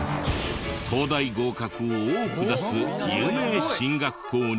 東大合格を多く出す有名進学校に。